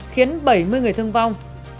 khiến bảy mươi người thương vong